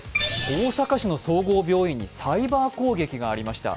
大阪市の総合病院にサイバー攻撃がありました。